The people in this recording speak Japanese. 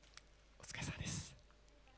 お疲れさまです。